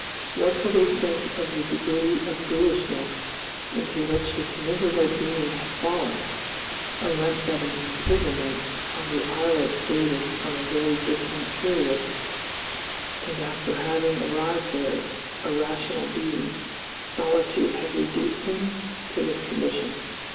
What could they think of the degree of brutishness into which this miserable being had fallen, unless that his imprisonment on the islet dated from a very distant period and after having arrived there a rational being solitude had reduced him to this condition.